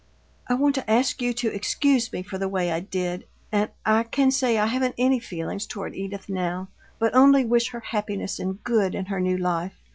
I want to ask you to excuse me for the way I did, and I can say I haven't any feelings toward Edith now, but only wish her happiness and good in her new life.